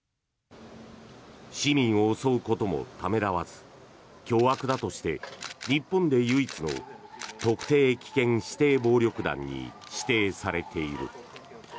市民を襲うこともためらわず凶悪だとして日本で唯一の特定危険指定暴力団に指定されている。